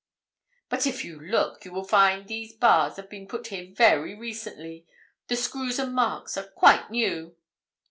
'But if you look you will find these bars have been put here very recently: the screws and marks are quite new.'